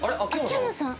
秋山さん？